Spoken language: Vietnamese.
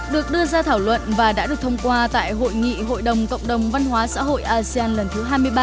được đưa ra thảo luận và đã được thông qua tại hội nghị hội đồng cộng đồng văn hóa xã hội asean lần thứ hai mươi ba